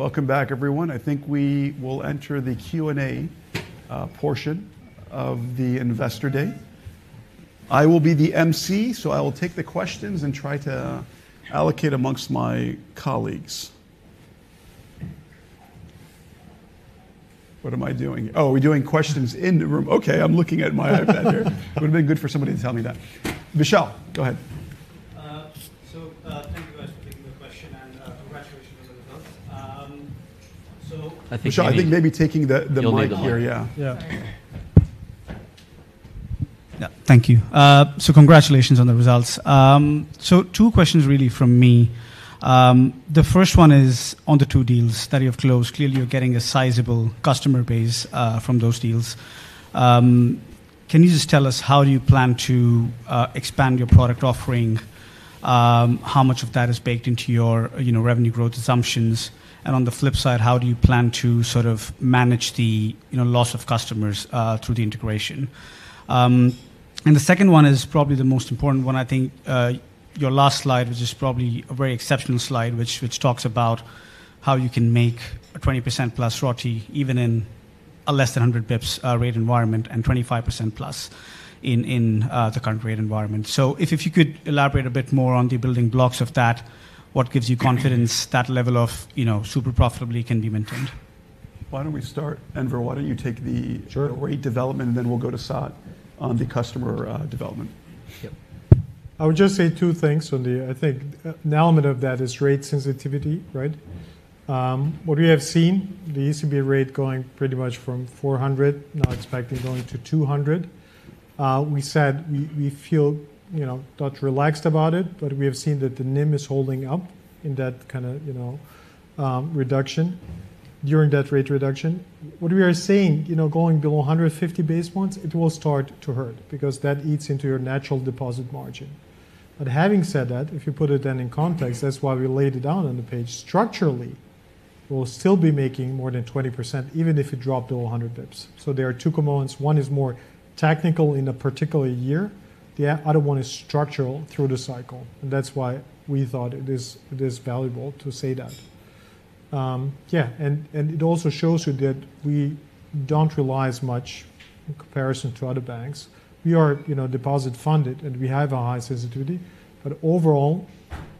Welcome back, everyone. I think we will enter the Q&A portion of the Investor Day. I will be the emcee, so I will take the questions and try to allocate amongst my colleagues. What am I doing? Oh, we're doing questions in the room. OK, I'm looking at my iPad here. It would have been good for somebody to tell me that. Vishal, go ahead. Thank you, guys, for taking the question, and congratulations on the results. I think maybe taking the mic here, yeah. Thank you. So congratulations on the results. So two questions, really, from me. The first one is on the two deals that you have closed. Clearly, you're getting a sizable customer base from those deals. Can you just tell us how do you plan to expand your product offering? How much of that is baked into your revenue growth assumptions? And on the flip side, how do you plan to sort of manage the loss of customers through the integration? And the second one is probably the most important one, I think. Your last slide, which is probably a very exceptional slide, which talks about how you can make a 20% plus RoTE even in a less than 100 basis points rate environment and 25% plus in the current rate environment. So if you could elaborate a bit more on the building blocks of that, what gives you confidence that level of super profitability can be maintained? Why don't we start, Enver? Why don't you take the rate development, and then we'll go to Sat on the customer development. I would just say two things on the, I think, the element of that is rate sensitivity, right? What we have seen, the ECB rate going pretty much from 400, now expecting going to 200. We said we feel not relaxed about it, but we have seen that the NIM is holding up in that kind of reduction during that rate reduction. What we are saying, going below 150 basis points, it will start to hurt because that eats into your natural deposit margin. But having said that, if you put it then in context, that's why we laid it down on the page. Structurally, we'll still be making more than 20% even if it dropped below 100 basis points. So there are two components. One is more technical in a particular year. The other one is structural through the cycle. And that's why we thought it is valuable to say that. Yeah, and it also shows you that we don't realize much in comparison to other banks. We are deposit-funded, and we have a high sensitivity. But overall,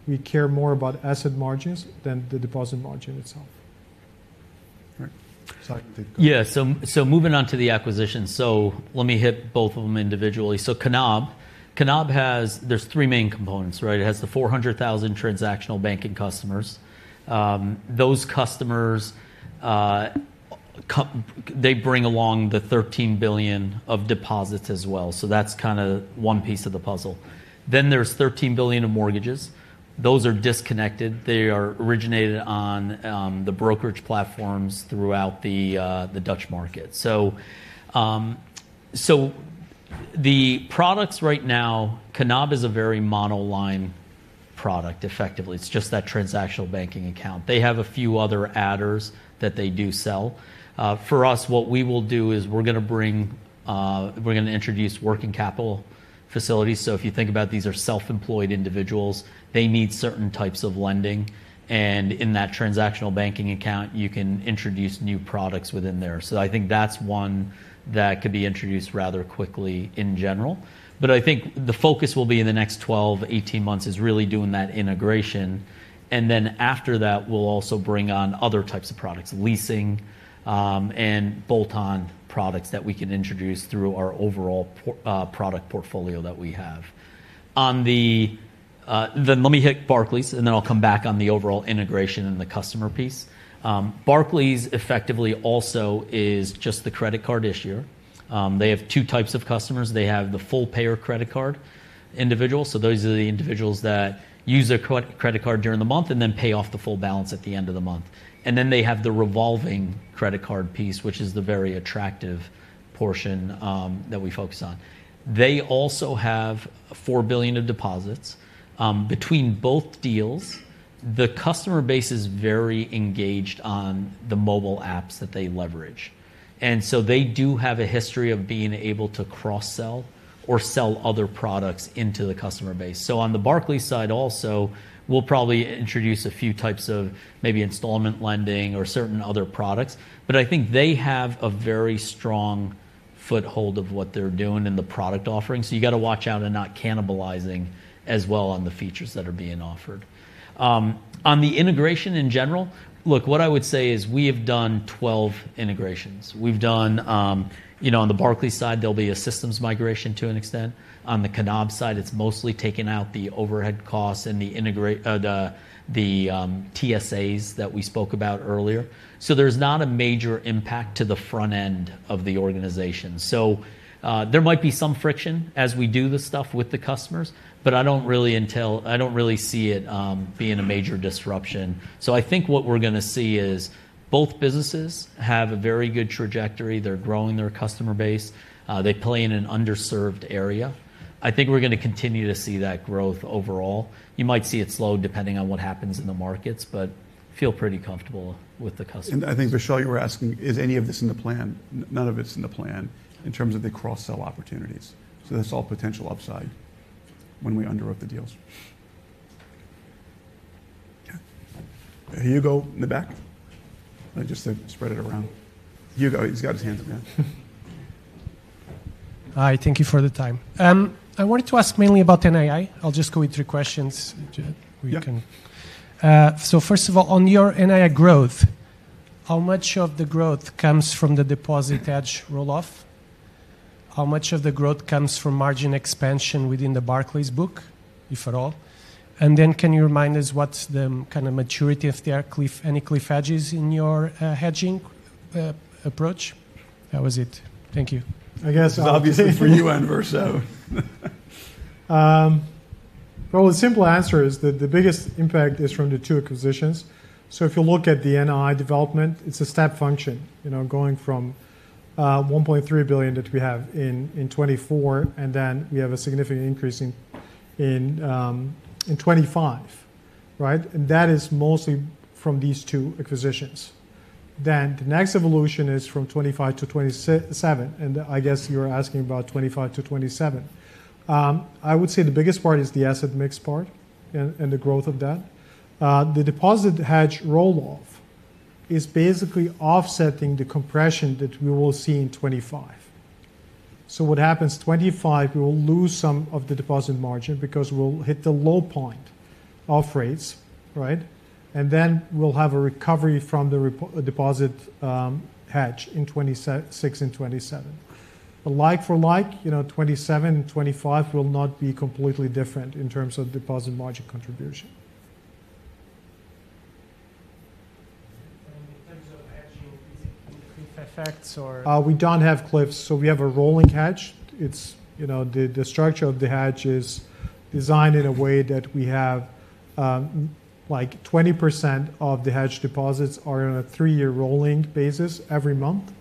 we care more about asset margins than the deposit margin itself. Right. Yeah, so moving on to the acquisitions. So let me hit both of them individually. So Knab, there are three main components, right? It has the 400,000 transactional banking customers. Those customers, they bring along the 13 billion of deposits as well. So that's kind of one piece of the puzzle. Then there's 13 billion of mortgages. Those are disconnected. They are originated on the brokerage platforms throughout the Dutch market. So the products right now, Knab is a very monoline product, effectively. It's just that transactional banking account. They have a few other add-ons that they do sell. For us, what we will do is we're going to bring, we're going to introduce working capital facilities. So if you think about, these are self-employed individuals. They need certain types of lending. And in that transactional banking account, you can introduce new products within there. So I think that's one that could be introduced rather quickly in general. But I think the focus will be in the next 12-18 months is really doing that integration. And then after that, we'll also bring on other types of products, leasing, and bolt-on products that we can introduce through our overall product portfolio that we have. Then let me hit Barclays, and then I'll come back on the overall integration and the customer piece. Barclays effectively also is just the credit card issuer. They have two types of customers. They have the full payer credit card individuals. So those are the individuals that use their credit card during the month and then pay off the full balance at the end of the month. And then they have the revolving credit card piece, which is the very attractive portion that we focus on. They also have 4 billion of deposits. Between both deals, the customer base is very engaged on the mobile apps that they leverage. And so they do have a history of being able to cross-sell or sell other products into the customer base. So on the Barclays side also, we'll probably introduce a few types of maybe installment lending or certain other products. But I think they have a very strong foothold of what they're doing in the product offering. So you've got to watch out and not cannibalizing as well on the features that are being offered. On the integration in general, look, what I would say is we have done 12 integrations. We've done, on the Barclays side, there'll be a systems migration to an extent. On the Knab side, it's mostly taken out the overhead costs and the TSAs that we spoke about earlier. So there's not a major impact to the front end of the organization. So there might be some friction as we do this stuff with the customers, but I don't really see it being a major disruption. So I think what we're going to see is both businesses have a very good trajectory. They're growing their customer base. They play in an underserved area. I think we're going to continue to see that growth overall. You might see it slow depending on what happens in the markets, but feel pretty comfortable with the customers. And I think, Vishal, you were asking, is any of this in the plan? None of it's in the plan in terms of the cross-sell opportunities. So that's all potential upside when we underwrote the deals. Here you go in the back. Just to spread it around. Here you go. He's got his hands up. Hi. Thank you for the time. I wanted to ask mainly about NII. I'll just go with three questions. So first of all, on your NII growth, how much of the growth comes from the deposit hedge rolloff? How much of the growth comes from margin expansion within the Barclays book, if at all? And then can you remind us what's the kind of maturity of any cliff edges in your hedging approach? That was it. Thank you. I guess it's obviously for you, Enver, so. The simple answer is that the biggest impact is from the two acquisitions. If you look at the NII development, it's a step function going from 1.3 billion that we have in 2024, and then we have a significant increase in 2025, right? That is mostly from these two acquisitions. The next evolution is from 2025 to 2027. I guess you were asking about 2025 to 2027. I would say the biggest part is the asset mix part and the growth of that. The deposit hedge rolloff is basically offsetting the compression that we will see in 2025. What happens? In 2025, we will lose some of the deposit margin because we'll hit the low point of rates, right? We'll have a recovery from the deposit hedge in 2026 and 2027. But like for like, 2027 and 2025 will not be completely different in terms of deposit margin contribution. In terms of hedging effects or. We don't have cliffs. So we have a rolling hedge. The structure of the hedge is designed in a way that we have like 20% of the hedge deposits are on a three-year rolling basis every month.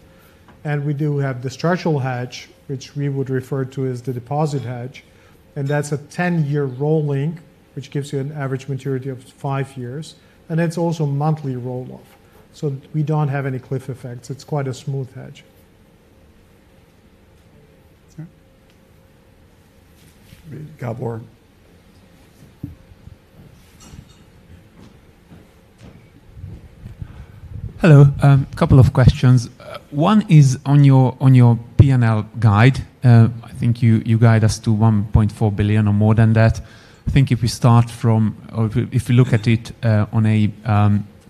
And we do have the structural hedge, which we would refer to as the deposit hedge. And that's a 10-year rolling, which gives you an average maturity of five years. And it's also monthly rolloff. So we don't have any cliff effects. It's quite a smooth hedge. We've got more. Hello. A couple of questions. One is on your P&L guide. I think you guide us to 1.4 billion or more than that. I think if we start from, or if we look at it on a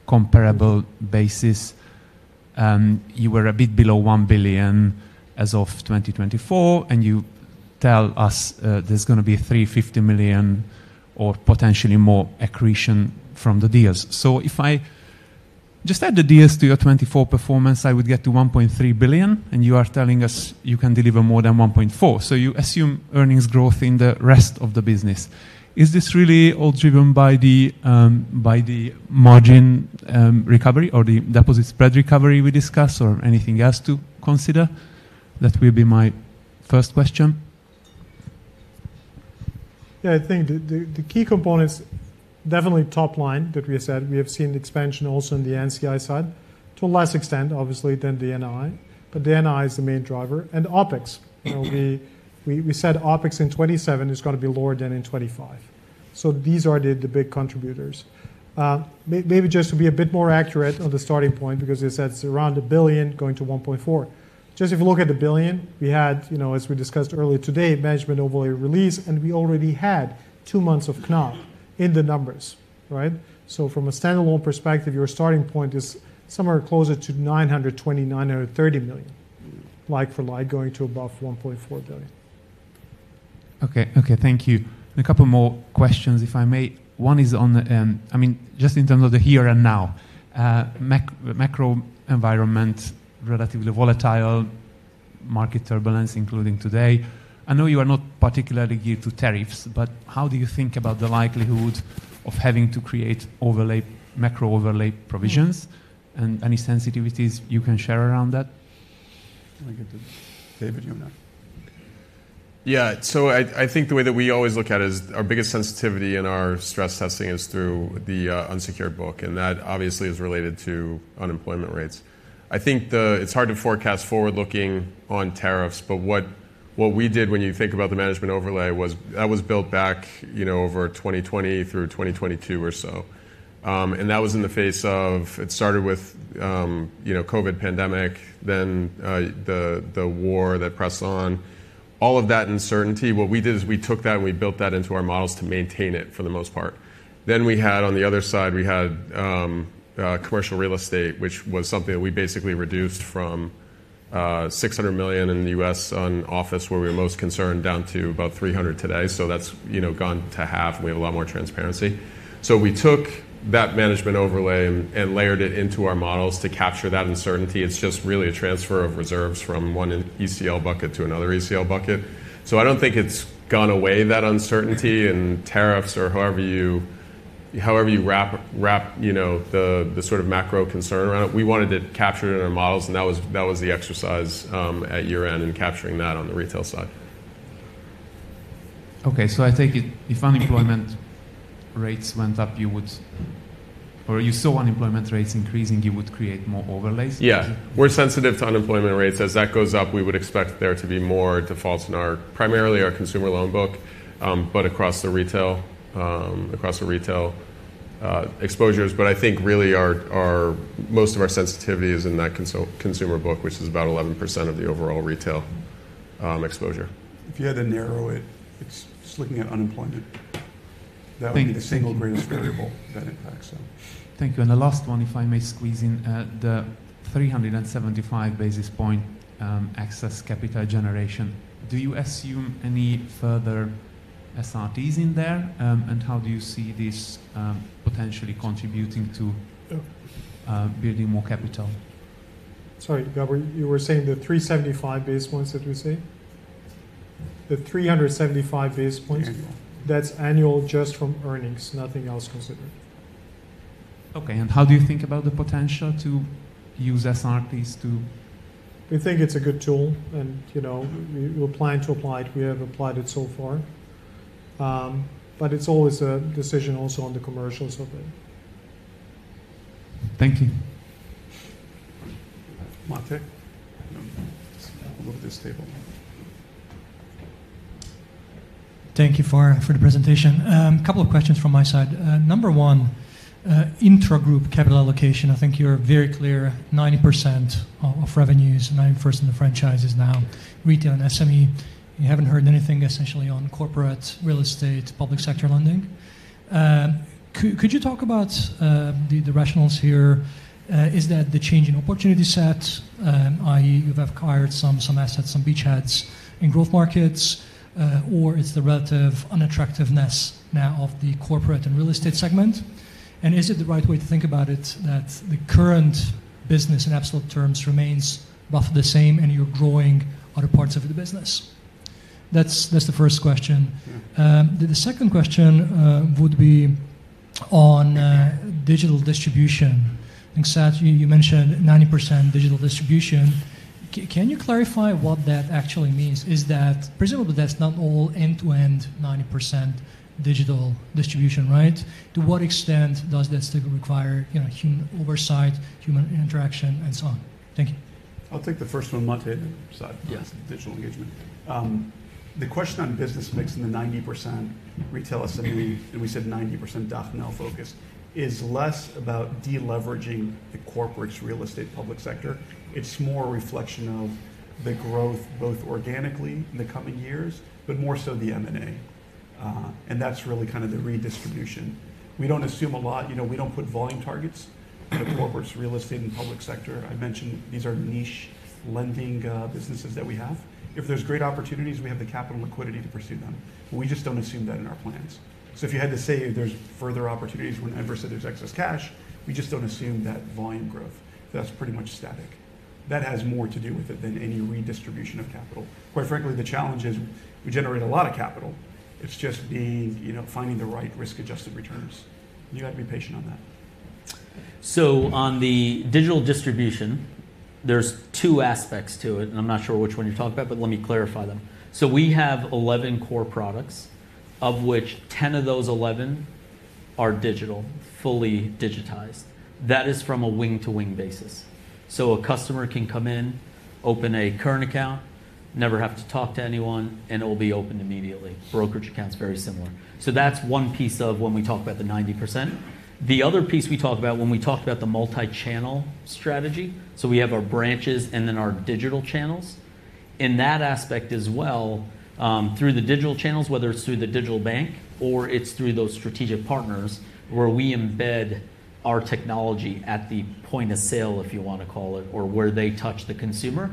comparable basis, you were a bit below 1 billion as of 2024. And you tell us there's going to be 350 million or potentially more accretion from the deals. So if I just add the deals to your 2024 performance, I would get to 1.3 billion. And you are telling us you can deliver more than 1.4 billion. So you assume earnings growth in the rest of the business. Is this really all driven by the margin recovery or the deposit spread recovery we discussed or anything else to consider? That will be my first question. Yeah, I think the key components, definitely top line that we have said, we have seen expansion also in the NCI side to a lesser extent, obviously, than the NII. But the NII is the main driver. And OPEX. We said OPEX in 2027 is going to be lower than in 2025. So these are the big contributors. Maybe just to be a bit more accurate on the starting point, because it's around 1 billion going to 1.4 billion. Just if you look at the billion, we had, as we discussed earlier today, management overlay release. And we already had two months of Knab in the numbers, right? So from a standalone perspective, your starting point is somewhere closer to 920-930 million, like for like going to above 1.4 billion. OK, OK, thank you. A couple more questions, if I may. One is on, I mean, just in terms of the here and now, macro environment, relatively volatile, market turbulence, including today. I know you are not particularly geared to tariffs, but how do you think about the likelihood of having to create macro overlay provisions and any sensitivities you can share around that? David, you want to. Yeah, so I think the way that we always look at it is our biggest sensitivity in our stress testing is through the unsecured book. And that obviously is related to unemployment rates. I think it's hard to forecast forward-looking on tariffs. But what we did when you think about the management overlay was that was built back over 2020 through 2022 or so. And that was in the face of it started with COVID pandemic, then the war that pressed on. All of that uncertainty, what we did is we took that and we built that into our models to maintain it for the most part. Then we had, on the other side, we had commercial real estate, which was something that we basically reduced from 600 million in the U.S. on office where we were most concerned down to about 300 million today. So that's gone to half, and we have a lot more transparency. So we took that management overlay and layered it into our models to capture that uncertainty. It's just really a transfer of reserves from one ECL bucket to another ECL bucket. So I don't think it's gone away, that uncertainty in tariffs or however you wrap the sort of macro concern around it. We wanted it captured in our models, and that was the exercise at year-end in capturing that on the retail side. OK, so I think if unemployment rates went up, you would, or you saw unemployment rates increasing, you would create more overlays? Yeah. We're sensitive to unemployment rates. As that goes up, we would expect there to be more defaults in primarily our consumer loan book, but across the retail, across the retail exposures. But I think really most of our sensitivity is in that consumer book, which is about 11% of the overall retail exposure. If you had to narrow it, it's just looking at unemployment. That would be the single greatest variable that impacts them. Thank you, and the last one, if I may squeeze in, the 375 basis points excess capital generation. Do you assume any further SRTs in there? And how do you see this potentially contributing to building more capital? Sorry, Gabor, you were saying the 375 basis points that we say? The 375 basis points, that's annual just from earnings, nothing else considered. OK, and how do you think about the potential to use SRTs to? We think it's a good tool. And we plan to apply it. We have applied it so far. But it's always a decision also on the commercials of it. Thank you. Mate. Look at this table. Thank you for the presentation. A couple of questions from my side. Number one, intra-group capital allocation. I think you're very clear, 90% of revenues, 90% of franchises now, retail and SME. You haven't heard anything essentially on corporate real estate, public sector lending. Could you talk about the rationale here? Is that the change in opportunity set, i.e., you've acquired some assets, some beachheads in growth markets, or it's the relative unattractiveness now of the corporate and real estate segment? And is it the right way to think about it that the current business in absolute terms remains roughly the same and you're growing other parts of the business? That's the first question. The second question would be on digital distribution. You said you mentioned 90% digital distribution. Can you clarify what that actually means? Is that presumably that's not all end-to-end 90% digital distribution, right? To what extent does that still require human oversight, human interaction, and so on? Thank you. I'll take the first one, Mate, the digital engagement. The question on business mix in the 90% retail SME, and we said 90% DACH/NL focus, is less about deleveraging the corporate real estate public sector. It's more a reflection of the growth both organically in the coming years, but more so the M&A. That's really kind of the redistribution. We don't assume a lot. We don't put volume targets on the corporate real estate and public sector. I mentioned these are niche lending businesses that we have. If there's great opportunities, we have the capital and liquidity to pursue them. We just don't assume that in our plans. If you had to say there's further opportunities, when Enver said there's excess cash, we just don't assume that volume growth. That's pretty much static. That has more to do with it than any redistribution of capital. Quite frankly, the challenge is we generate a lot of capital. It's just finding the right risk-adjusted returns. You got to be patient on that. On the digital distribution, there's two aspects to it. I'm not sure which one you're talking about, but let me clarify them. We have 11 core products, of which 10 of those 11 are digital, fully digitized. That is from an end-to-end basis. A customer can come in, open a current account, never have to talk to anyone, and it will be opened immediately. Brokerage accounts are very similar. That's one piece of when we talk about the 90%. The other piece we talk about when we talk about the multi-channel strategy. We have our branches and then our digital channels. In that aspect as well, through the digital channels, whether it's through the digital bank or it's through those strategic partners where we embed our technology at the point of sale, if you want to call it, or where they touch the consumer.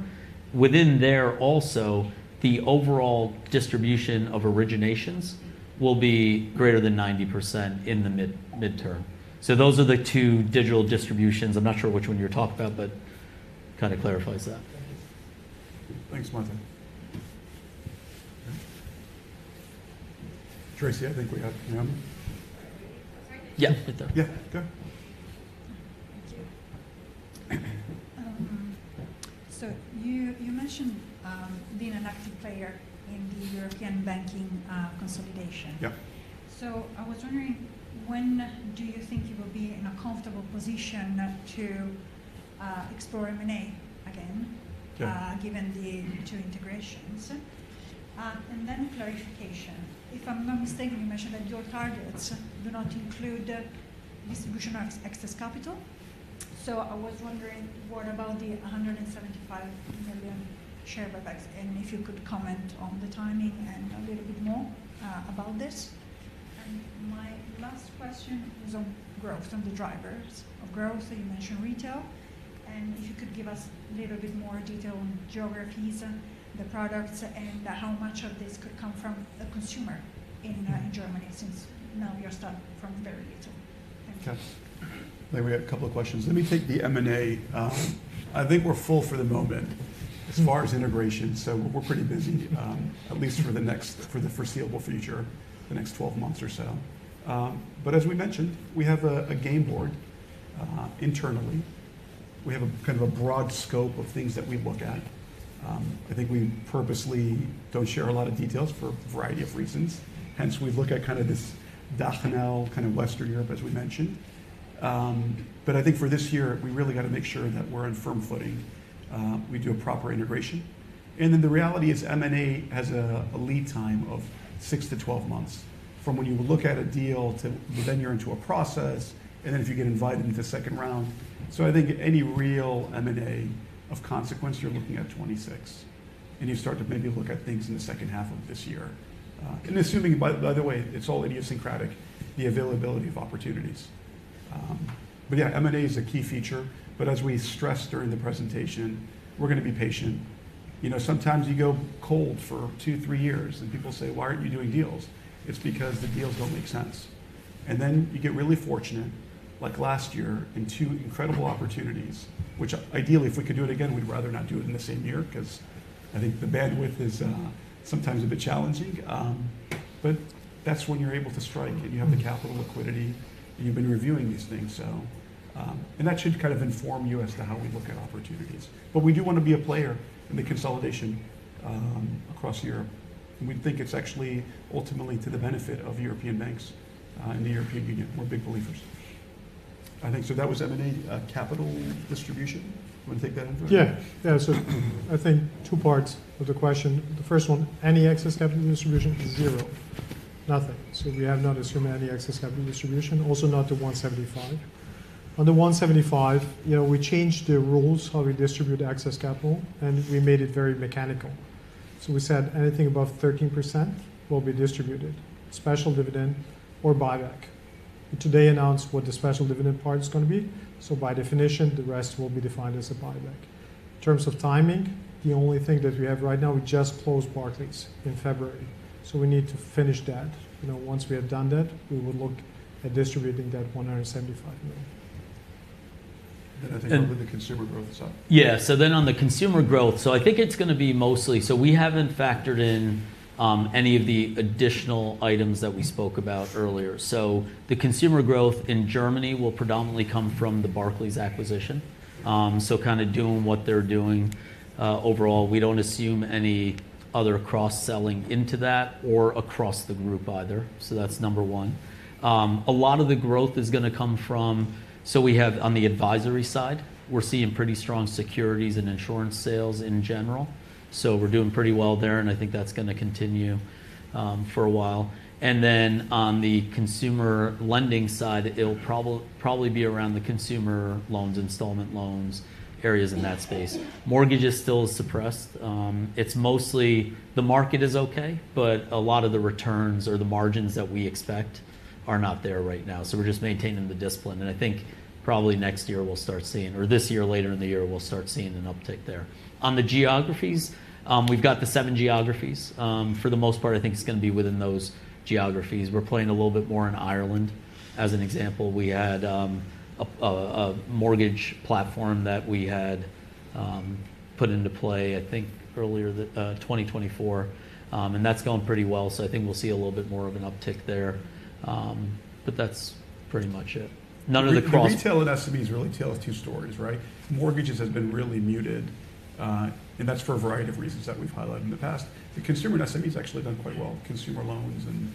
Within there also, the overall distribution of originations will be greater than 90% in the midterm. So those are the two digital distributions. I'm not sure which one you're talking about, but kind of clarifies that. Thanks, Mate. Tracy, I think we have you on. Yeah, right there. Yeah, go ahead. Thank you. So you mentioned being an active player in the European banking consolidation. Yeah. I was wondering, when do you think you will be in a comfortable position to explore M&A again, given the two integrations? Then, clarification. If I'm not mistaken, you mentioned that your targets do not include distribution of excess capital. I was wondering, what about the 175 million share buybacks? If you could comment on the timing and a little bit more about this. My last question was on growth, on the drivers of growth. You mentioned retail. If you could give us a little bit more detail on geographies, the products, and how much of this could come from a consumer in Germany since now you're starting from very little. Thank you. Okay, maybe we have a couple of questions. Let me take the M&A. I think we're full for the moment as far as integration, so we're pretty busy, at least for the foreseeable future, the next 12 months or so. But as we mentioned, we have a game board internally. We have kind of a broad scope of things that we look at. I think we purposely don't share a lot of details for a variety of reasons. Hence, we look at kind of this DACH/NL, kind of Western Europe, as we mentioned. But I think for this year, we really got to make sure that we're on firm footing, we do a proper integration. And then the reality is M&A has a lead time of 6 to 12 months from when you look at a deal to then you're into a process, and then if you get invited into the second round. So I think any real M&A of consequence, you're looking at 2026. And you start to maybe look at things in the second half of this year. And assuming, by the way, it's all idiosyncratic, the availability of opportunities. But yeah, M&A is a key feature. But as we stressed during the presentation, we're going to be patient. Sometimes you go cold for two, three years, and people say, why aren't you doing deals? It's because the deals don't make sense. And then you get really fortunate, like last year, in two incredible opportunities, which ideally, if we could do it again, we'd rather not do it in the same year because I think the bandwidth is sometimes a bit challenging. But that's when you're able to strike, and you have the capital liquidity, and you've been reviewing these things. And that should kind of inform you as to how we look at opportunities. But we do want to be a player in the consolidation across Europe. And we think it's actually ultimately to the benefit of European banks in the European Union. We're big believers. I think so that was M&A capital distribution. Do you want to take that, Enver? Yeah, yeah. So I think two parts of the question. The first one, any excess capital distribution is zero, nothing. So we have not assumed any excess capital distribution, also not the 175. On the 175, we changed the rules how we distribute excess capital, and we made it very mechanical. So we said anything above 13% will be distributed, special dividend or buyback today announced what the special dividend part is going to be. So by definition, the rest will be defined as a buyback. In terms of timing, the only thing that we have right now, we just closed Barclays in February. So we need to finish that. Once we have done that, we will look at distributing that 175 million. Then I think we'll do the consumer growth as well. Yeah, so then on the consumer growth, I think it's going to be mostly so we haven't factored in any of the additional items that we spoke about earlier. So the consumer growth in Germany will predominantly come from the Barclays acquisition. So kind of doing what they're doing overall. We don't assume any other cross-selling into that or across the group either. So that's number one. A lot of the growth is going to come from so we have on the advisory side, we're seeing pretty strong securities and insurance sales in general. So we're doing pretty well there, and I think that's going to continue for a while. And then on the consumer lending side, it'll probably be around the consumer loans, installment loans, areas in that space. Mortgage is still suppressed. The market is OK, but a lot of the returns or the margins that we expect are not there right now, so we're just maintaining the discipline, and I think probably next year we'll start seeing, or this year later in the year, we'll start seeing an uptick there. On the geographies, we've got the seven geographies. For the most part, I think it's going to be within those geographies. We're playing a little bit more in Ireland. As an example, we had a mortgage platform that we had put into play, I think, earlier in 2024, and that's going pretty well, so I think we'll see a little bit more of an uptick there, but that's pretty much it. None of the cross. Retail and SMEs really tell two stories, right? Mortgages have been really muted, and that's for a variety of reasons that we've highlighted in the past. The consumer and SMEs actually have done quite well. Consumer loans and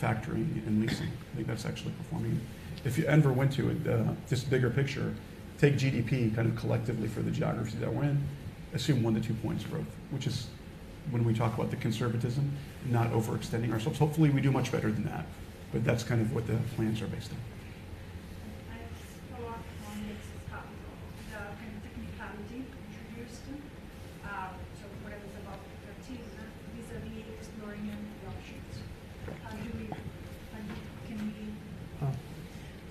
factoring and leasing, I think that's actually performing. If Enver went to it, this bigger picture, take GDP kind of collectively for the geographies that we're in, assume one-to-two points growth, which is, when we talk about the conservatism, not overextending ourselves. Hopefully, we do much better than that, but that's kind of what the plans are based on.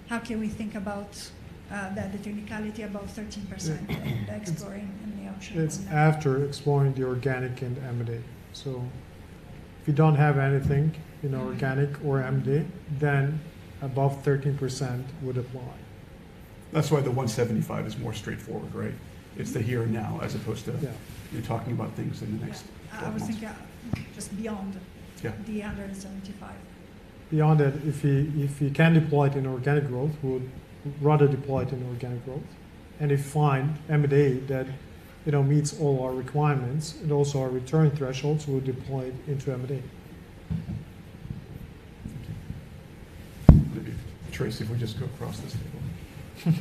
I just follow up on this topic. The technicality introduced. So what I was about to touch in, vis-à-vis exploring M&A options. Can we. How can we think about the CET1 above 13%, exploring M&A options? It's after exploring the organic and M&A. So if you don't have anything in organic or M&A, then above 13% would apply. That's why the 175 is more straightforward, right? It's the here and now as opposed to you're talking about things in the next half year. I was thinking just beyond the 175. Beyond that, if you can deploy it in organic growth, we would rather deploy it in organic growth. And if we find M&A that meets all our requirements and also our return thresholds, we would deploy it into M&A. Thank you. Tracy, if we just go across this table.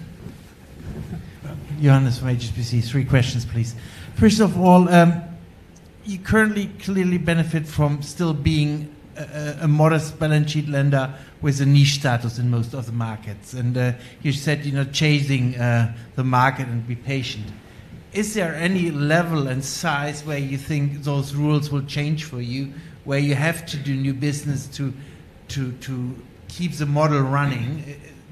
Johannes, from HSBC, three questions, please. First of all, you currently clearly benefit from still being a modest balance sheet lender with a niche status in most of the markets. And you said chasing the market and be patient. Is there any level and size where you think those rules will change for you, where you have to do new business to keep the model running?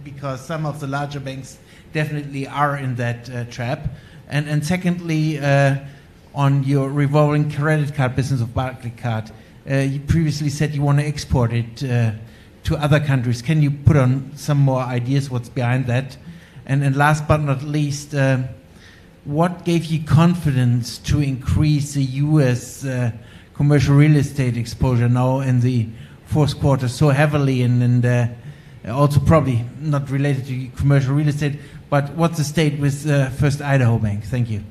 Because some of the larger banks definitely are in that trap. And secondly, on your revolving credit card business of Barclaycard, you previously said you want to export it to other countries. Can you put on some more ideas what's behind that? And last but not least, what gave you confidence to increase the U.S. commercial real estate exposure now in the fourth quarter so heavily? And also probably not related to commercial real estate, but what's the state with Idaho First Bank? Thank you.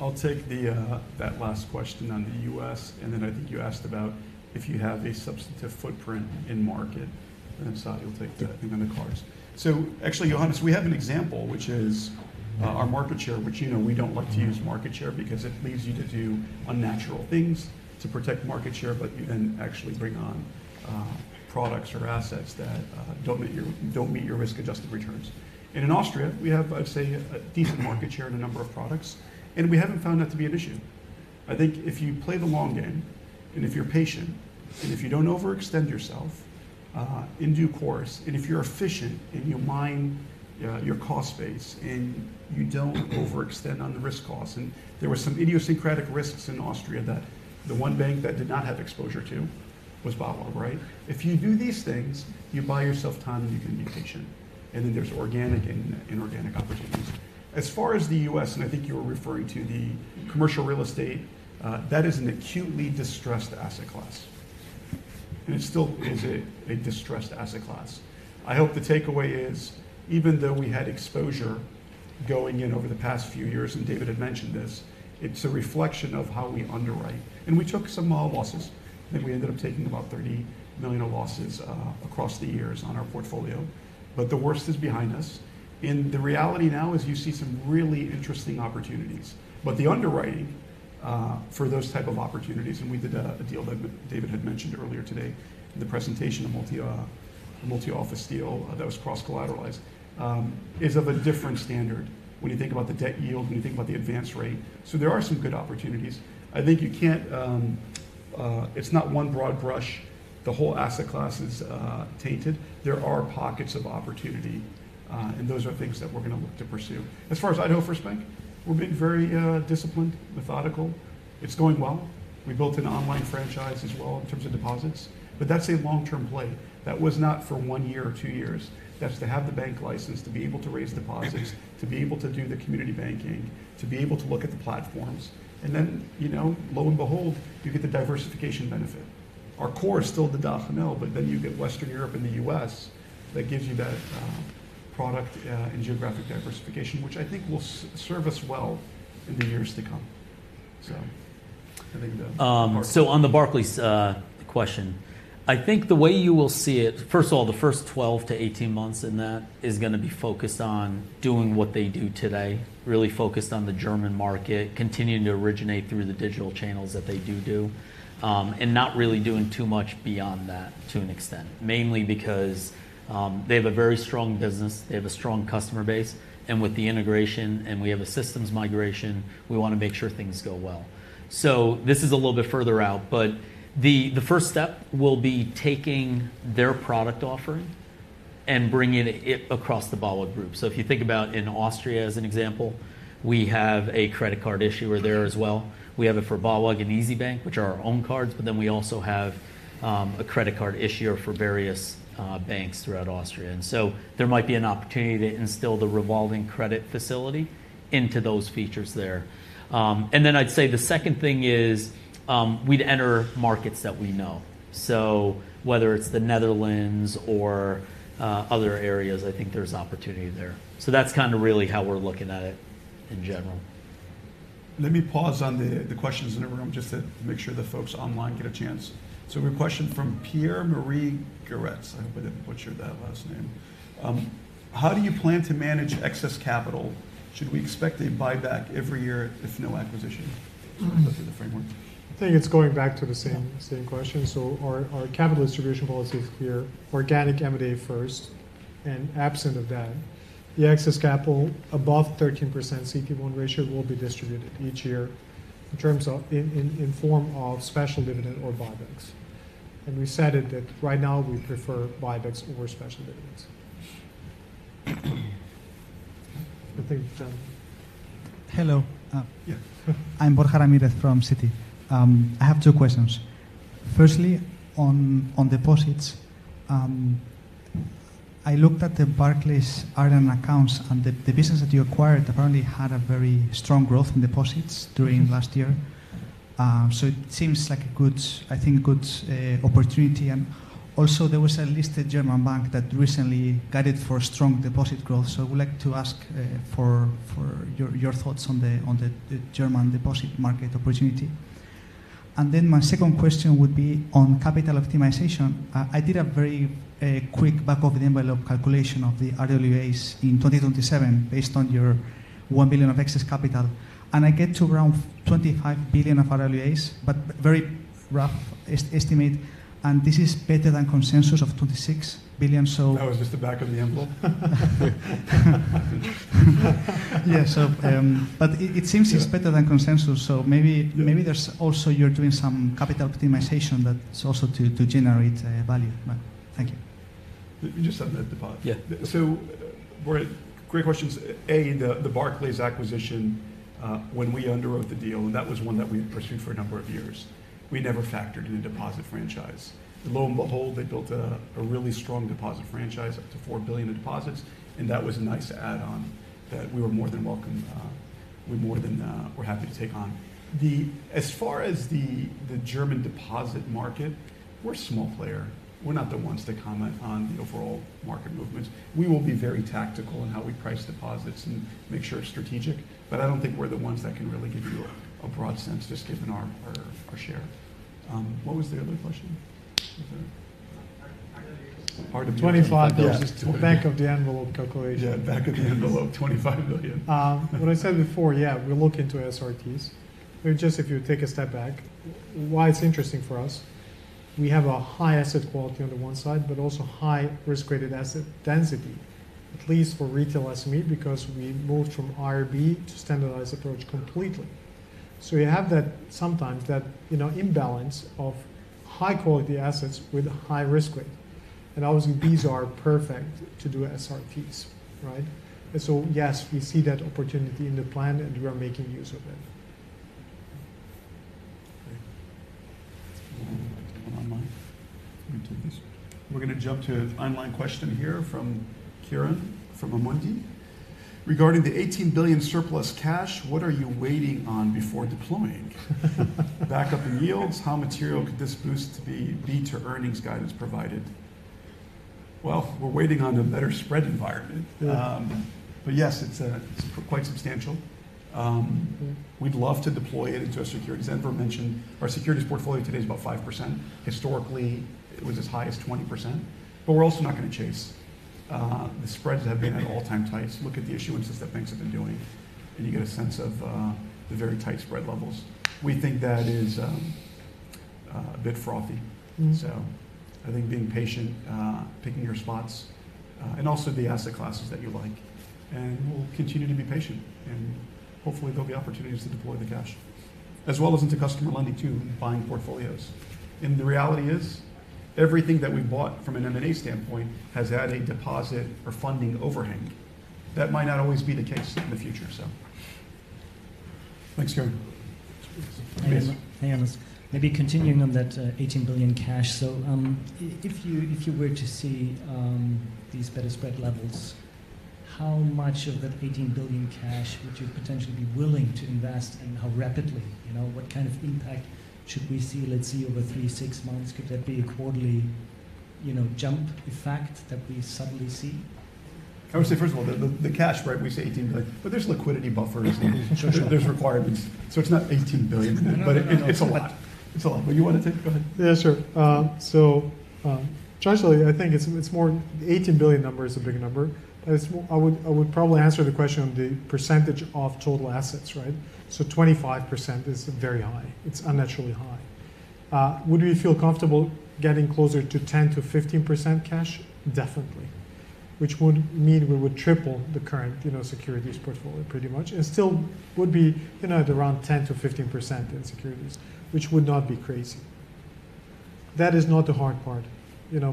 I'll take that last question on the U.S., and then I think you asked about if you have a substantive footprint in market, and I'm sorry, you'll take that, and then the cars, so actually, Johannes, we have an example, which is our market share, which we don't like to use market share because it leaves you to do unnatural things to protect market share, but you then actually bring on products or assets that don't meet your risk-adjusted returns, and in Austria, we have, I'd say, a decent market share in a number of products, and we haven't found that to be an issue. I think if you play the long game, and if you're patient, and if you don't overextend yourself in due course, and if you're efficient in your cost space, and you don't overextend on the risk costs. There were some idiosyncratic risks in Austria that the one bank that did not have exposure to was BAWAG, right? If you do these things, you buy yourself time, and you can be patient. And then there's organic and inorganic opportunities. As far as the U.S., and I think you were referring to the commercial real estate, that is an acutely distressed asset class. And it still is a distressed asset class. I hope the takeaway is, even though we had exposure going in over the past few years, and David had mentioned this, it's a reflection of how we underwrite. And we took some losses. I think we ended up taking about 30 million in losses across the years on our portfolio. But the worst is behind us. And the reality now is you see some really interesting opportunities. But the underwriting for those types of opportunities, and we did a deal that David had mentioned earlier today in the presentation, a multi-office deal that was cross-collateralized, is of a different standard when you think about the debt yield, when you think about the advance rate. So there are some good opportunities. I think you can't. It's not one broad brush. The whole asset class is tainted. There are pockets of opportunity. And those are things that we're going to look to pursue. As far as Idaho First Bank, we've been very disciplined, methodical. It's going well. We built an online franchise as well in terms of deposits. But that's a long-term play. That was not for one year or two years. That's to have the bank license, to be able to raise deposits, to be able to do the community banking, to be able to look at the platforms. And then, lo and behold, you get the diversification benefit. Our core is still the DACH/NL, but then you get Western Europe and the U.S. that gives you that product and geographic diversification, which I think will serve us well in the years to come. So I think the. So on the Barclays question, I think the way you will see it, first of all, the first 12-18 months in that is going to be focused on doing what they do today, really focused on the German market, continuing to originate through the digital channels that they do do, and not really doing too much beyond that to an extent, mainly because they have a very strong business. They have a strong customer base, and with the integration, and we have a systems migration, we want to make sure things go well, so this is a little bit further out. But the first step will be taking their product offering and bringing it across the BAWAG Group. So if you think about in Austria, as an example, we have a credit card issuer there as well. We have it for BAWAG and Easybank, which are our own cards. But then we also have a credit card issuer for various banks throughout Austria. And so there might be an opportunity to instill the revolving credit facility into those features there. And then I'd say the second thing is we'd enter markets that we know. So whether it's the Netherlands or other areas, I think there's opportunity there. So that's kind of really how we're looking at it in general. Let me pause on the questions in the room just to make sure the folks online get a chance. So we have a question from Pierre-Marie Gurez. I hope I didn't butcher that last name. How do you plan to manage excess capital? Should we expect a buyback every year if no acquisition? Look at the framework. I think it's going back to the same question. So our capital distribution policy is clear. Organic M&A first. And absent of that, the excess capital above 13% CET1 ratio will be distributed each year in form of special dividend or buybacks. And we said that right now we prefer buybacks over special dividends. I think. Hello. I'm Borja Ramírez from Citi. I have two questions. Firstly, on deposits, I looked at the Barclays Ireland accounts, and the business that you acquired apparently had a very strong growth in deposits during last year. So it seems like a good, I think, opportunity, and also, there was a listed German bank that recently guided for strong deposit growth. So I would like to ask for your thoughts on the German deposit market opportunity, and then my second question would be on capital optimization. I did a very quick back-of-the-envelope calculation of the RWAs in 2027 based on your 1 billion of excess capital, and I get to around 25 billion of RWAs, but very rough estimate, and this is better than consensus of 26 billion, so. That was just the back of the envelope. Yeah, so. But it seems it's better than consensus. So maybe there's also, you're doing some capital optimization that's also to generate value. Thank you. Let me just add that. Yeah. So great questions. A, the Barclays acquisition, when we underwrote the deal, and that was one that we had pursued for a number of years, we never factored in a deposit franchise. Lo and behold, they built a really strong deposit franchise up to 4 billion in deposits. And that was a nice add-on that we were more than welcome. We more than were happy to take on. As far as the German deposit market, we're a small player. We're not the ones to comment on the overall market movements. We will be very tactical in how we price deposits and make sure it's strategic. But I don't think we're the ones that can really give you a broad sense just given our share. What was the other question? 25 billion is the back of the envelope calculation. Yeah, back of the envelope, 25 billion. What I said before, yeah, we'll look into SRTs. Just if you take a step back, why it's interesting for us. We have a high asset quality on the one side, but also high risk-rated asset density, at least for retail SME, because we moved from IRB to standardized approach completely. So you have that sometimes that imbalance of high-quality assets with high risk rate. And obviously, these are perfect to do SRTs, right? And so yes, we see that opportunity in the plan, and we are making use of it. We're going to jump to an online question here from Kiran from Amundi. Regarding the 18 billion surplus cash, what are you waiting on before deploying? Backup in yields? How material could this boost be to earnings guidance provided? Well, we're waiting on a better spread environment. But yes, it's quite substantial. We'd love to deploy it into a security. As Enver mentioned, our securities portfolio today is about 5%. Historically, it was as high as 20%. But we're also not going to chase. The spreads have been at all-time heights. Look at the issuances that banks have been doing, and you get a sense of the very tight spread levels. We think that is a bit frothy. So I think being patient, picking your spots, and also the asset classes that you like. And we'll continue to be patient. And hopefully, there'll be opportunities to deploy the cash, as well as into customer lending too, buying portfolios. And the reality is, everything that we bought from an M&A standpoint has had a deposit or funding overhang. That might not always be the case in the future, so. Thanks, Kiran. Thanks, Johannes. Maybe continuing on that 18 billion cash. So if you were to see these better spread levels, how much of that 18 billion cash would you potentially be willing to invest and how rapidly? What kind of impact should we see, let's say, over three, six months? Could that be a quarterly jump effect that we suddenly see? I would say, first of all, the cash, right? We say 18 billion. But there's liquidity buffers. There's requirements. So it's not 18 billion. But it's a lot. It's a lot. But you want to take it. Go ahead. Yeah, sure. So generally, I think it's more the 18 billion number is a big number. I would probably answer the question on the percentage of total assets, right? So 25% is very high. It's unnaturally high. Would we feel comfortable getting closer to 10%-15% cash? Definitely. Which would mean we would triple the current securities portfolio pretty much. And still would be around 10%-15% in securities, which would not be crazy. That is not the hard part.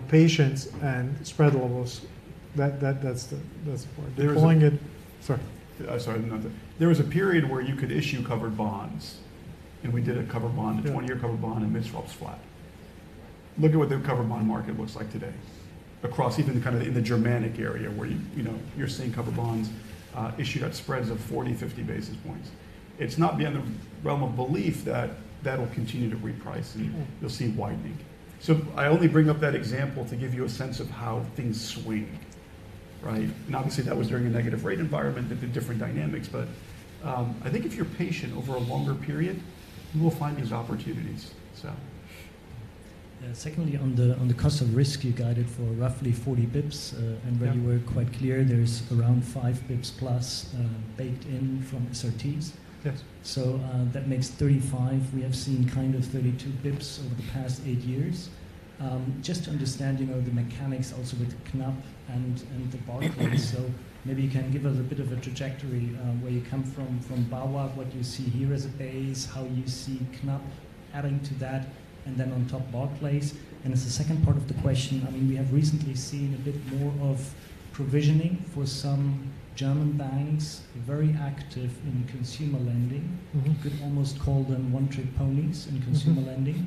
Patience and spread levels, that's the part. Deploying it. Sorry. I'm sorry. There was a period where you could issue covered bonds. And we did a covered bond, a 20-year covered bond in mid-swap. Look at what the covered bond market looks like today across even kind of in the Germanic area where you're seeing covered bonds issued at spreads of 40, 50 basis points. It's not beyond the realm of belief that that will continue to reprice, and you'll see widening. So I only bring up that example to give you a sense of how things swing, right? And obviously, that was during a negative rate environment that did different dynamics. But I think if you're patient over a longer period, you will find these opportunities, so. Yeah. Secondly, on the cost of risk, you guided for roughly 40 basis points. And when you were quite clear, there's around 5 basis points plus baked in from SRTs. So that makes 35. We have seen kind of 32 basis points over the past eight years. Just to understand the mechanics also with Knab and the buybacks. So maybe you can give us a bit of a trajectory where you come from BAWAG, what you see here as a base, how you see Knab adding to that, and then on top buybacks. And as a second part of the question, I mean, we have recently seen a bit more of provisioning for some German banks very active in consumer lending. You could almost call them one-trick ponies in consumer lending.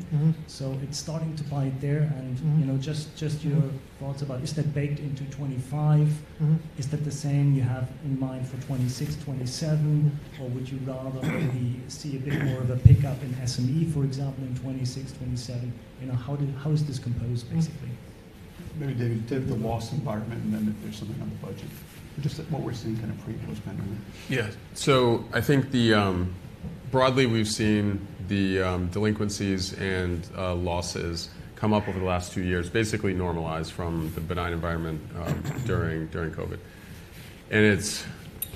So it's starting to bite there. And just your thoughts about is that baked into 25? Is that the same you have in mind for 2026, 2027? Or would you rather see a bit more of a pickup in SME, for example, in 2026, 2027? How is this composed, basically? Maybe David, talk about the loss environment and then if there's something on the budget. Just what we're seeing kind of pre-close management overlay. Yeah. So I think broadly, we've seen the delinquencies and losses come up over the last two years, basically normalized from the benign environment during COVID. And it's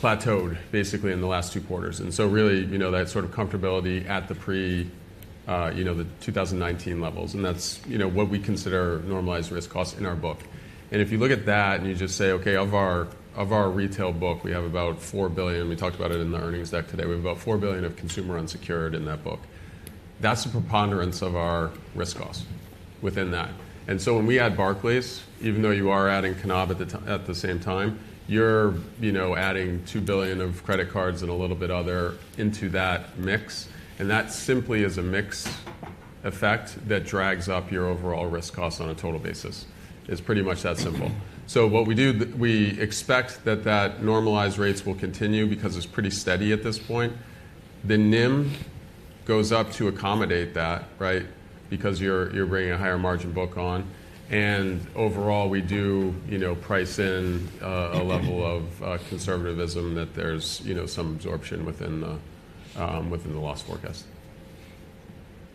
plateaued basically in the last two quarters. And so really, that sort of comfortability at the pre-2019 levels. And that's what we consider normalized risk cost in our book. And if you look at that and you just say, "Okay, of our retail book, we have about 4 billion." We talked about it in the earnings deck today. We have about 4 billion of consumer unsecured in that book. That's the preponderance of our risk cost within that. And so when we add Barclays, even though you are adding Knab at the same time, you're adding 2 billion of credit cards and a little bit other into that mix. And that simply is a mix effect that drags up your overall risk cost on a total basis. It's pretty much that simple. So what we do, we expect that normalized rates will continue because it's pretty steady at this point. The NIM goes up to accommodate that, right, because you're bringing a higher margin book on. And overall, we do price in a level of conservatism that there's some absorption within the loss forecast.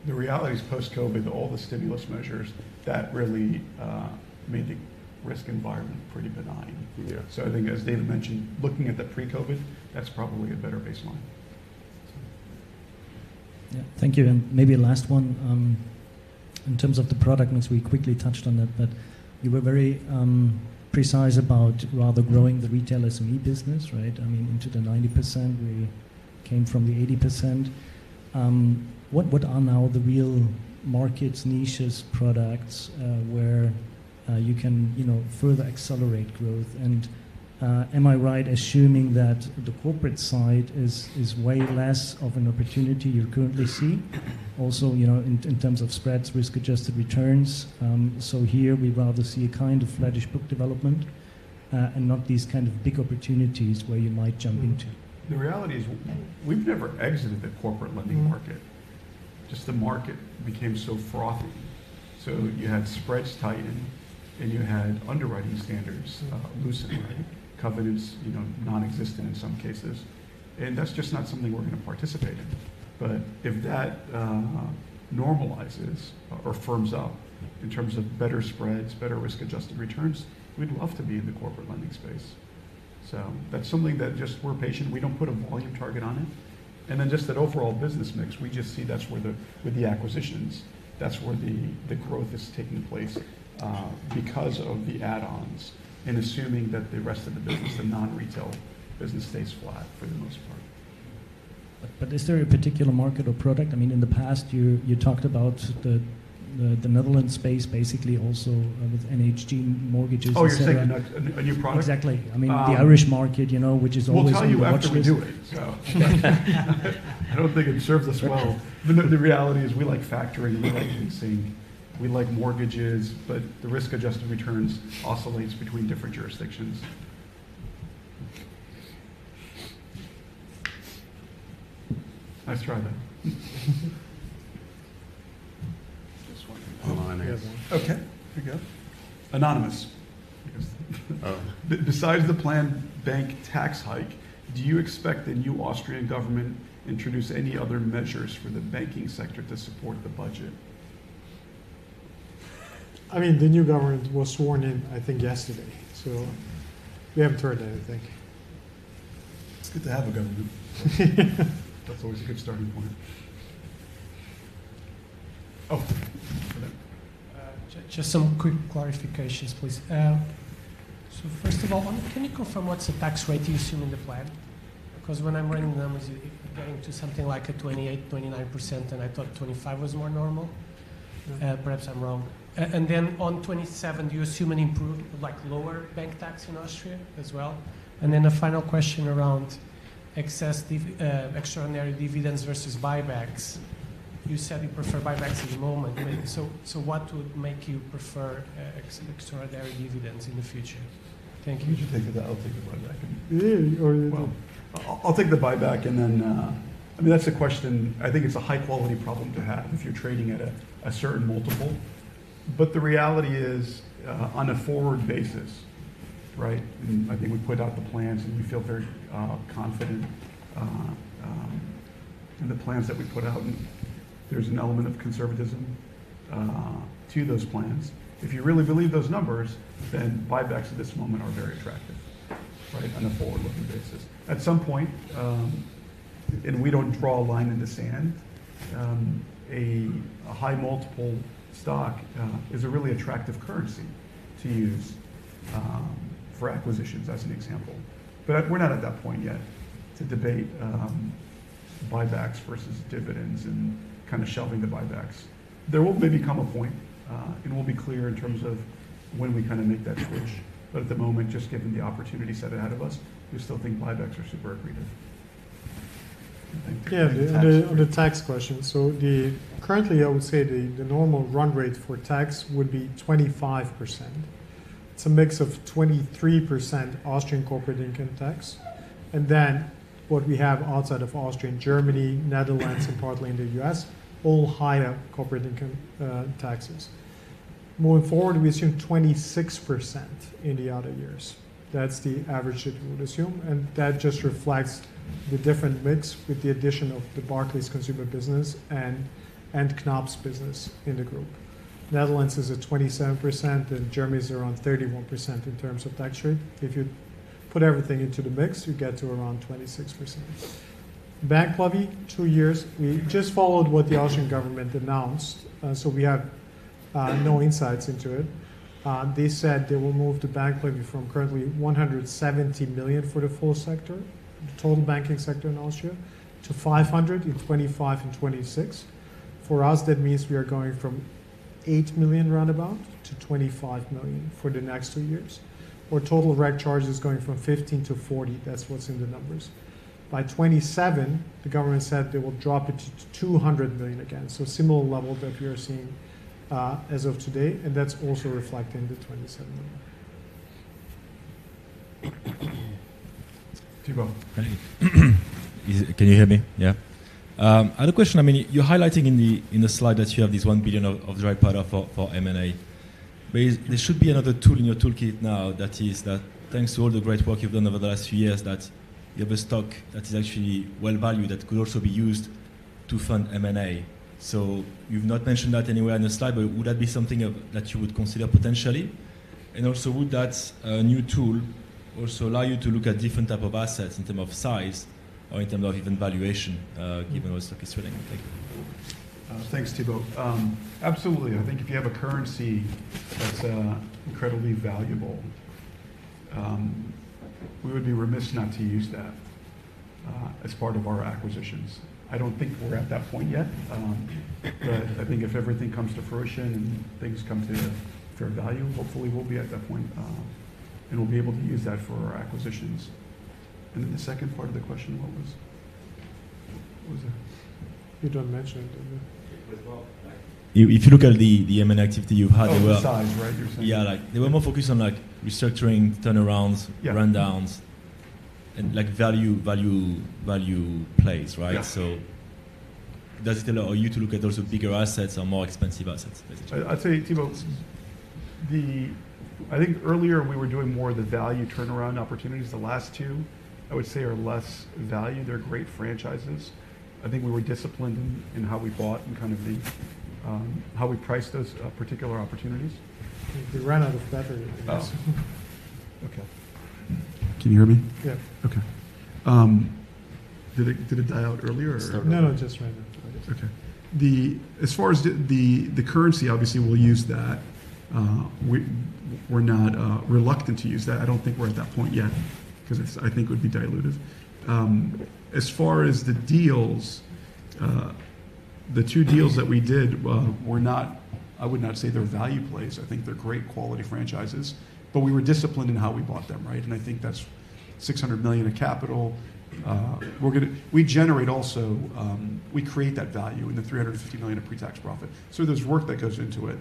The reality is post-COVID, all the stimulus measures, that really made the risk environment pretty benign. So I think, as David mentioned, looking at the pre-COVID, that's probably a better baseline. Yeah. Thank you. And maybe last one. In terms of the product, I mean, we quickly touched on it, but you were very precise about rather growing the retail SME business, right? I mean, into the 90%. We came from the 80%. What are now the real markets, niches, products where you can further accelerate growth? And am I right assuming that the corporate side is way less of an opportunity you currently see? Also, in terms of spreads, risk-adjusted returns. So here, we'd rather see a kind of flattish book development and not these kind of big opportunities where you might jump into. The reality is we've never exited the corporate lending market. Just the market became so frothy. So you had spreads tightened, and you had underwriting standards loosened, right? Covenants nonexistent in some cases. And that's just not something we're going to participate in. But if that normalizes or firms up in terms of better spreads, better risk-adjusted returns, we'd love to be in the corporate lending space. So that's something that just we're patient. We don't put a volume target on it. And then just that overall business mix, we just see that's where the acquisitions, that's where the growth is taking place because of the add-ons and assuming that the rest of the business, the non-retail business, stays flat for the most part. But is there a particular market or product? I mean, in the past, you talked about the Netherlands space, basically also with NHG mortgages. Oh, you're saying a new product? Exactly. I mean, the Irish market, which is always a whatchamacallit to it. We'll tell you after we do it. I don't think it serves us well. The reality is we like factoring. We like leasing. We like mortgages. But the risk-adjusted returns oscillates between different jurisdictions. Nice try, though. This one. You have one. Okay. Besides the planned bank tax hike, do you expect the new Austrian government to introduce any other measures for the banking sector to support the budget? I mean, the new government was sworn in, I think, yesterday. So we haven't heard anything. It's good to have a government. That's always a good starting point. Oh. Just some quick clarifications, please. So first of all, can you confirm what's the tax rate you assume in the plan? Because when I'm writing down, you're getting to something like a 28%, 29%, and I thought 25% was more normal. Perhaps I'm wrong. And then on 27%, do you assume an improved, like lower bank tax in Austria as well? And then a final question around excess extraordinary dividends versus buybacks. You said you prefer buybacks at the moment. So what would make you prefer extraordinary dividends in the future? Thank you. You can take it. I'll take the buyback. I'll take the buyback. And then, I mean, that's a question. I think it's a high-quality problem to have if you're trading at a certain multiple. But the reality is on a forward basis, right? I mean, I think we put out the plans, and we feel very confident in the plans that we put out. And there's an element of conservatism to those plans. If you really believe those numbers, then buybacks at this moment are very attractive, right, on a forward-looking basis. At some point, and we don't draw a line in the sand, a high multiple stock is a really attractive currency to use for acquisitions as an example. But we're not at that point yet to debate buybacks versus dividends and kind of shelving the buybacks. There will maybe come a point, and we'll be clear in terms of when we kind of make that switch. But at the moment, just given the opportunity set ahead of us, we still think buybacks are super accretive. Yeah. On the tax question, so currently, I would say the normal run rate for tax would be 25%. It's a mix of 23% Austrian corporate income tax. And then what we have outside of Austrian, Germany, Netherlands, and partly in the, all higher corporate income taxes. Moving forward, we assume 26% in the other years. That's the average that we would assume. And that just reflects the different mix with the addition of the Barclays consumer business and Knab's business in the group. Netherlands is at 27%, and Germany is around 31% in terms of tax rate. If you put everything into the mix, you get to around 26%. Bank levy, two years. We just followed what the Austrian government announced, so we have no insights into it. They said they will move the bank levy from currently 170 million for the full sector, the total banking sector in Austria, to 500 million in 2025 and 2026. For us, that means we are going from 8 million roundabout to 25 million for the next two years. Our total reg charges going from 15 million to 40 million. That's what's in the numbers. By 2027, the government said they will drop it to 200 million again. So similar level that we are seeing as of today, and that's also reflecting the 2027 number. Thibault. Can you hear me? Yeah. Another question. I mean, you're highlighting in the slide that you have this 1 billion of dry powder for M&A. There should be another tool in your toolkit now that is that thanks to all the great work you've done over the last few years, that you have a stock that is actually well valued that could also be used to fund M&A. So you've not mentioned that anywhere on the slide, but would that be something that you would consider potentially? And also, would that new tool also allow you to look at different types of assets in terms of size or in terms of even valuation given how the stock is swelling? Thank you. Thanks, Thibault. Absolutely. I think if you have a currency that's incredibly valuable, we would be remiss not to use that as part of our acquisitions. I don't think we're at that point yet, but I think if everything comes to fruition and things come to fair value, hopefully, we'll be at that point and we'll be able to use that for our acquisitions, and then the second part of the question, what was it? You don't mention it. If you look at the M&A activity you've had, they were. They're all sized, right? Yeah. They were more focused on restructuring, turnarounds, run-offs, and value plays, right? So does it allow you to look at also bigger assets or more expensive assets, basically? I'd say, Thibault, I think earlier we were doing more of the value turnaround opportunities. The last two, I would say, are less value. They're great franchises. I think we were disciplined in how we bought and kind of how we priced those particular opportunities. We ran out of battery. Okay. Can you hear me? Yeah. Okay. Did it die out earlier or? No, no, just random. Okay. As far as the currency, obviously, we'll use that. We're not reluctant to use that. I don't think we're at that point yet because I think it would be dilutive. As far as the deals, the two deals that we did, I would not say they're value plays. I think they're great quality franchises. But we were disciplined in how we bought them, right? And I think that's 600 million of capital. We generate also we create that value in the 350 million of pre-tax profit. So there's work that goes into it,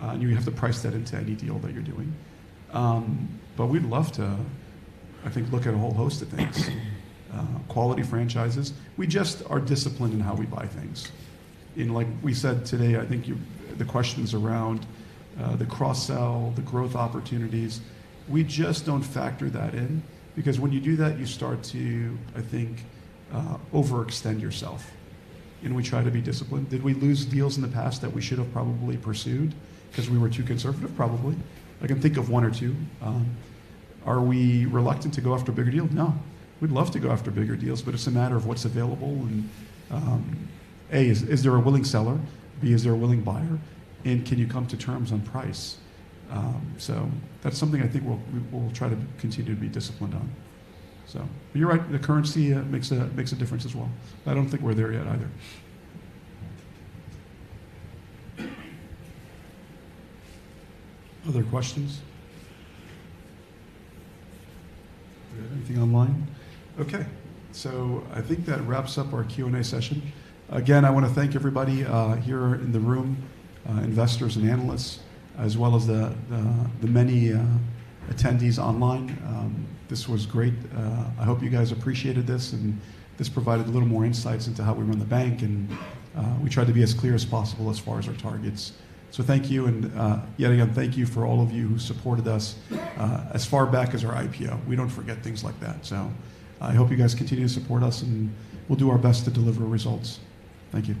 and you have to price that into any deal that you're doing. But we'd love to, I think, look at a whole host of things, quality franchises. We just are disciplined in how we buy things. And like we said today, I think the questions around the cross-sell, the growth opportunities, we just don't factor that in because when you do that, you start to, I think, overextend yourself. And we try to be disciplined. Did we lose deals in the past that we should have probably pursued because we were too conservative? Probably. I can think of one or two. Are we reluctant to go after bigger deals? No. We'd love to go after bigger deals, but it's a matter of what's available. And A, is there a willing seller? B, is there a willing buyer? And can you come to terms on price? So that's something I think we'll try to continue to be disciplined on. So you're right. The currency makes a difference as well. I don't think we're there yet either. Other questions? Anything online? Okay. So I think that wraps up our Q&A session. Again, I want to thank everybody here in the room, investors and analysts, as well as the many attendees online. This was great. I hope you guys appreciated this, and this provided a little more insights into how we run the bank. And we tried to be as clear as possible as far as our targets. So thank you. And yet again, thank you for all of you who supported us as far back as our IPO. We don't forget things like that. So I hope you guys continue to support us, and we'll do our best to deliver results. Thank you.